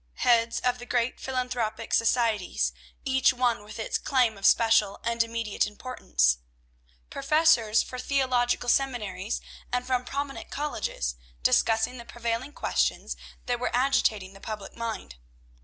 Heads of the great philanthropic societies, each one with its claim of special and immediate importance. Professors for theological seminaries and from prominent colleges, discussing the prevailing questions that were agitating the public mind.